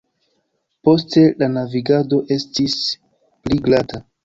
Poste la navigado estis pli glata.